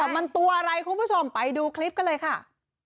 มันตัวอะไรคุณผู้ชมไปดูคลิปกันเลยค่ะ